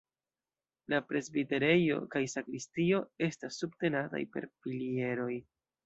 La presbiterejo kaj sakristio estas subtenataj per pilieroj.